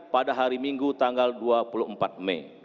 pada hari minggu tanggal dua puluh empat mei